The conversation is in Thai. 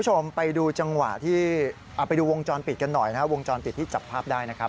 คุณผู้ชมไปดูจังหวะที่ไปดูวงจรปิดกันหน่อยนะครับวงจรปิดที่จับภาพได้นะครับ